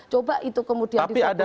coba itu kemudian diselesaikan